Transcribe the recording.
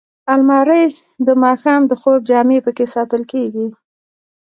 الماري د ماښام د خوب جامې پکې ساتل کېږي